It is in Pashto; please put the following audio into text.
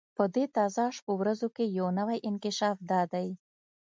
په دې تازه شپو ورځو کې یو نوی انکشاف دا دی.